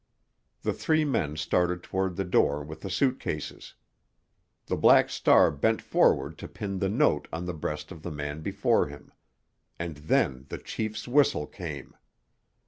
The three men started toward the door with the suit cases. The Black Star bent forward to pin the note on the breast of the man before him. And then the chief's whistle came.